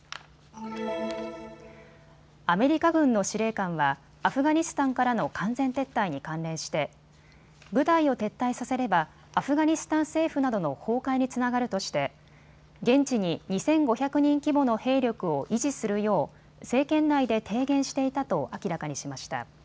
アメリカ軍の司令官はアフガニスタンからの完全撤退に関連して部隊を撤退させればアフガニスタン政府などの崩壊につながるとして現地に２５００人規模の兵力を維持するよう政権内で提言していたと明らかにしました。